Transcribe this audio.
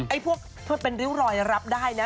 ไอ้พวกเป็นริ้วรอยรับได้นะ